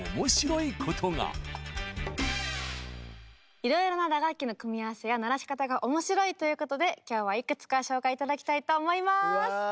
いろいろな打楽器の組み合わせや鳴らし方が面白いということで今日はいくつか紹介頂きたいと思います！